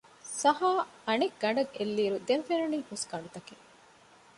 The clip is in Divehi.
ސަހާ އަނެއްގަނޑަށް އެއްލިއިރު ދެން ފެނުނީ ހުސްގަނޑުތަކެއް